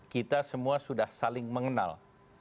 kita semua sudah saling mengenal